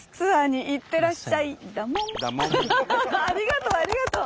ありがとうありがとう！